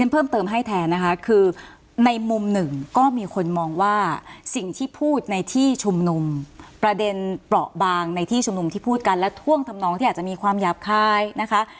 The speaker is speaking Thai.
เพิ่มเติมให้แทนนะคะคือในมุมหนึ่งก็มีคนมองว่าสิ่งที่พูดในที่ชุมนุมประเด็นเปราะบางในที่ชุมนุมที่พูดกันและท่วงทำนองที่อาจจะมีความหยาบคายนะคะ